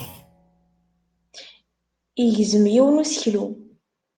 Yegzem yiwen n useklu.